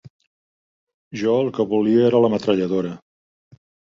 Jo el que volia era la metralladora.